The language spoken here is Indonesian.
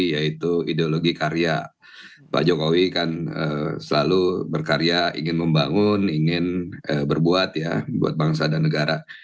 yaitu ideologi karya pak jokowi kan selalu berkarya ingin membangun ingin berbuat ya buat bangsa dan negara